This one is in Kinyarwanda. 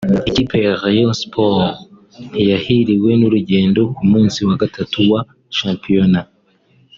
Ikipe ya Rayon Sports ntiyahiriwe n’urugendo ku munsi wa Gatatu wa shampiyona